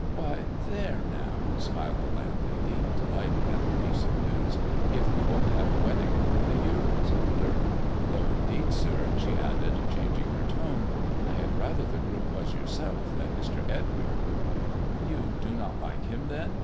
" "Why, there now," smiled the landlady, delighted at the piece of news, " if we won't have a wedding before the year grows older! Though, indeed, sir," she added, changing her tone, " I had rather the groom was yourself than Mr. Edgar." "You do not like him, then?"